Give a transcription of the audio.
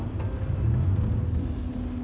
kamu pasti akan memberi yang terbaik buat kamu